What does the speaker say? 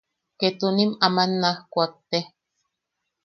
Ketunim ama naaj kuakte.